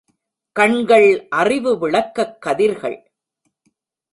கண்கள் அறிவு விளக்கக் கதிர்கள்.